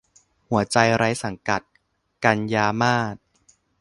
หัวใจไร้สังกัด - กันยามาส